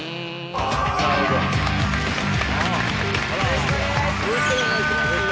なるほどよろしくお願いします